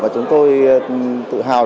chúng tôi tự hào